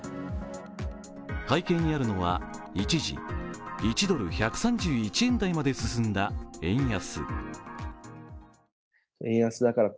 背景にあるのは一時、１ドル＝１３１円台まで進んだ円安。